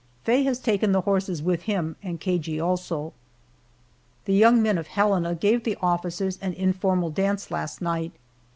Faye has taken the horses with him and Cagey also. The young men of Helena gave the officers an informal dance last night.